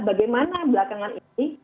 bagaimana belakangan ini